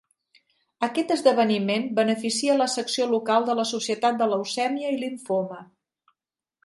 Aquest esdeveniment beneficia la secció local de la Societat de Leucèmia i Limfoma.